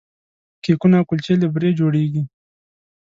کیکونه او کلچې له بوري جوړیږي.